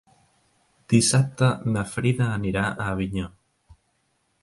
Dissabte na Frida anirà a Avinyó.